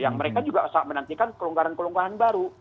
yang mereka juga menantikan pelonggaran pelonggaran baru